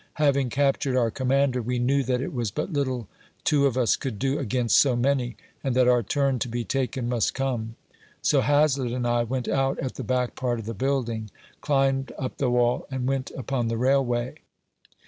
Having captured our commander, we knew that it was but little two of us could do against so many, and that our turn to be taken must come; so Hazlctt and I went out at the back part of the building, climbed up the ■wall, and went upon the railway.